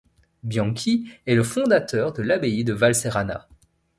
Bianchi est le fondateur de l'abbaye de Valserana.